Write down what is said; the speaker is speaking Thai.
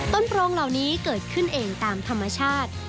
โปรงเหล่านี้เกิดขึ้นเองตามธรรมชาติ